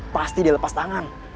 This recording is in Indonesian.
pasti dia lepas tangan